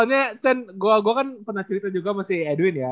soalnya chan gue gue kan pernah cerita juga sama si edwin ya